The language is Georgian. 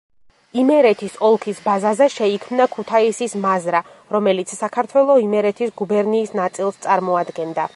იმერეთის ოლქის ბაზაზე შეიქმნა ქუთაისის მაზრა, რომელიც საქართველო-იმერეთის გუბერნიის ნაწილს წარმოადგენდა.